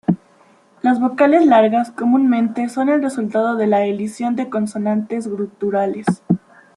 Las vocales largas comúnmente son el resultado de la elisión de consonantes guturales.